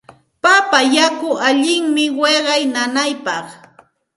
Papa yaku allinmi wiqaw nanaypaq.